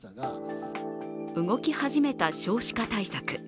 動き始めた少子化対策。